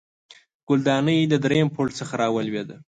ګلدانۍ د دریم پوړ څخه راولوېده